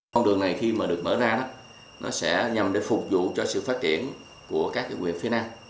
con đường này khi mà được mở ra nó sẽ nhằm để phục vụ cho sự phát triển của các quyền phía nam